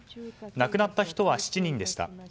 亡くなった人は７人でした。